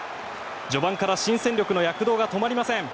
序盤から新戦力の躍動が止まりません。